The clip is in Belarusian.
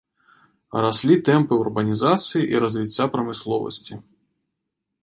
Раслі тэмпы урбанізацыі і развіцця прамысловасці.